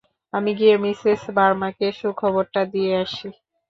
আমি গিয়ে মিসেস ভার্মাকে সুখবর টা দিয়ে আসি।